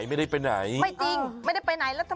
มันสนิทกันแน่เลยอ่ะ